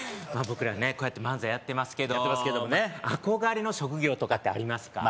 僕らねこうやって漫才やってますけど憧れの職業とかってありますか？